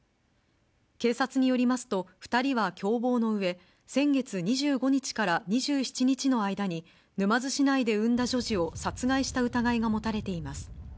警察によりますと、２人は共謀のうえ、先月２５日から２７日の間に、沼津市内で産んだ女児を殺害した疑いが持たれています。